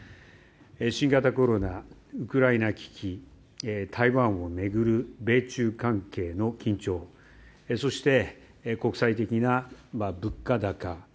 新型コロナ、ウクライナ危機台湾を巡る米中関係の緊張そして、国際的な物価高。